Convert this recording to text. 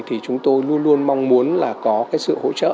thì chúng tôi luôn luôn mong muốn là có cái sự hỗ trợ